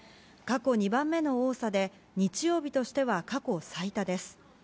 過去２番目の多さで日曜日としては過去最多です。